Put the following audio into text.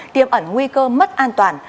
tiêm ẩn nguy cơ mất an toàn